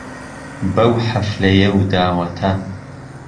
بهو حهفلهیه و داوهته